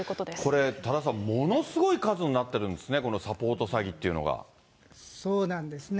これ、多田さん、ものすごい数になってるんですね、そうなんですね。